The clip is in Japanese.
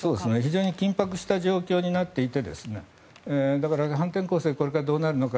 非常に緊迫した状況になっていてだから、反転攻勢これからどうなるのか。